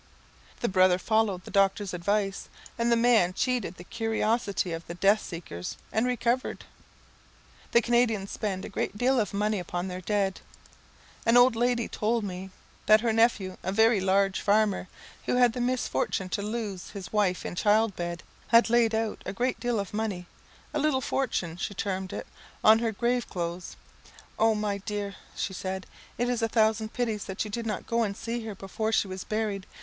The brother followed the doctor's advice, and the man cheated the curiosity of the death seekers, and recovered. The Canadians spend a great deal of money upon their dead. An old lady told me that her nephew, a very large farmer, who had the misfortune to lose his wife in childbed, had laid out a great deal of money a little fortune she termed it on her grave clothes. "Oh, my dear," she said, "it is a thousand pities that you did not go and see her before she was buried.